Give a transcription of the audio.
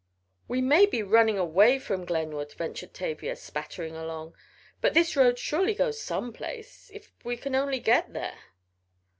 "We may be running away from Glenwood!" ventured Tavia, spattering along, "but this road surely goes to some place if we can only get there."